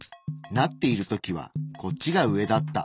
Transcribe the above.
なっている時はこっちが上だった。